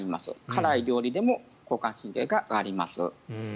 辛い料理でも交感神経が上がります。